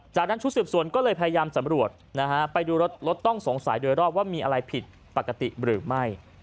จากนั้นชุดสืบสวนก็เลยพยายามสำรวจนะฮะไปดูรถรถต้องสงสัยโดยรอบว่ามีอะไรผิดปกติหรือไม่